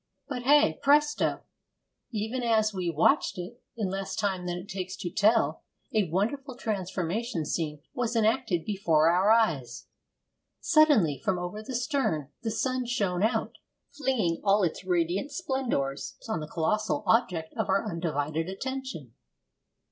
But, hey, presto! even as we watched it, in less time than it takes to tell, a wonderful transformation scene was enacted before our eyes. Suddenly, from over the stern, the sun shone out, flinging all its radiant splendours on the colossal object of our undivided attention.